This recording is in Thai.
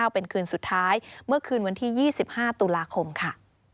เป็นคืนสุดท้ายเมื่อคืนวันที่๒๕ตุลาคมค่ะ